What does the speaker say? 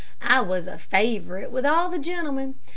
"I was a favorite with all the gentlemen.